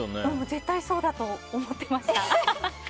絶対そうだと思ってました。